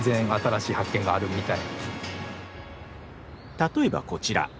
例えばこちら。